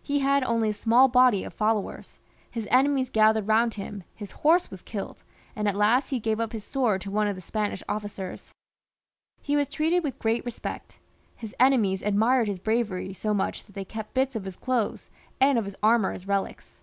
He had only a small body 250 ^ FRANGIS L {en. ,■ of followers, his enemies gathered round him, his horse was killed, and at last he gave up his sword to one of the Spanish officers. He was treated with great respect ; his enemies admired his bravery so much, that they kept bits of his clothes and of his armour as relics.